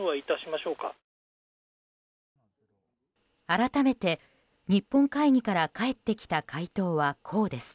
改めて日本会議から返ってきた回答は、こうです。